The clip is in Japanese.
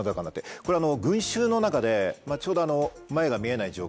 これ群衆の中でちょうど前が見えない状況。